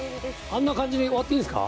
あんな感じで終わっていいんですか？